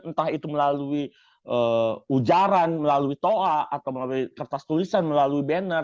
entah itu melalui ujaran melalui toa atau melalui kertas tulisan melalui banner